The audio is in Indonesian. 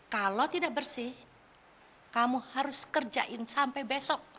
kalau tidak bersih kamu harus kerjain sampai besok